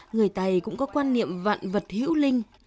người tày cũng có quan niệm vạn vật hữu linh